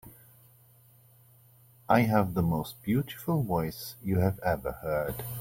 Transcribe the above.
I have the most beautiful voice you have ever heard.